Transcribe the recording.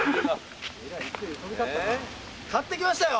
買ってきましたよ。